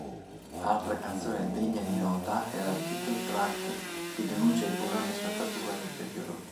Altra canzone degna di nota è la title-track, che denuncia i programmi-spazzatura del periodo.